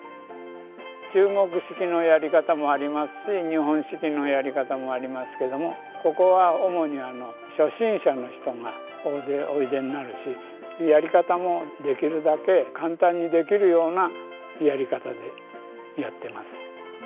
中国式のやり方もありますし日本式のやり方もありますけどもここは主に初心者の人が大勢おいでになるしやり方もできるだけ簡単にできるようなやり方でやってます。